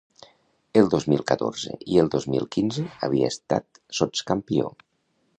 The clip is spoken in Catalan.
El dos mil catorze i el dos mil quinze havia estat sots-campió.